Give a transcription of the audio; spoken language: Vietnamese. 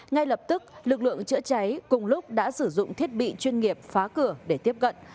ngay lập tức lực lượng chữa cháy cùng lúc đã sử dụng thiết bị chuyên nghiệp phá cửa để tiếp cận